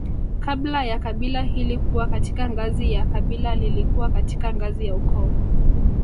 Kabla ya kabila hili kuwa katika ngazi ya kabila lilikuwa katika ngazi ya ukoo